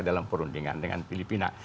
dalam perundingan dengan filipina